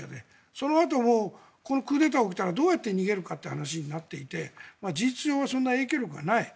そのあともクーデターが起きたらどうやって逃げるかという話になっていて事実上はそんなに影響力がない。